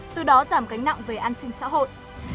từ đó giảm cánh nặng về an sinh xã hội